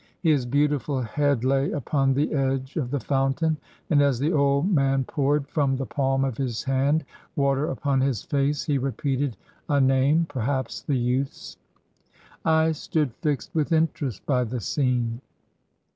His beautiful head lay upon the edge of the fountain, and as the old man poured, from the palm of his hand, water upon his face, he repeated a name, perhaps the youth's. I stood fixed with 'interest by the scene.